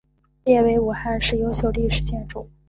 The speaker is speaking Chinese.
列为武汉市优秀历史建筑。